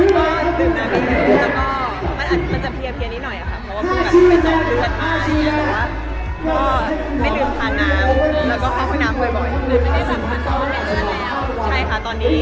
ตอนวันนี้ไปชื่นก็ดื่มน้ำไม่ดี